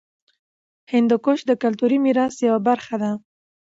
هندوکش د کلتوري میراث یوه برخه ده.